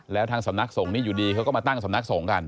แล้วทางสำนักสงฆ์นี้อยู่ดีเขาก็มาตั้งสำนักสงฆ์กัน